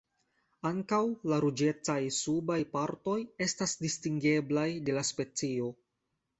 Ankaŭ la ruĝecaj subaj partoj estas distingeblaj de la specio.